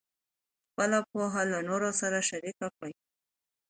خپله پوهه له نورو سره شریکه کړئ.